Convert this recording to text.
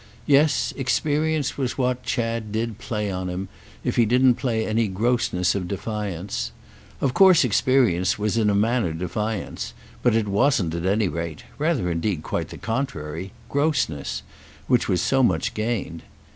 Yes, experience was what Chad did play on him, if he didn't play any grossness of defiance. Of course experience was in a manner defiance; but it wasn't, at any rate—rather indeed quite the contrary!—grossness; which was so much gained.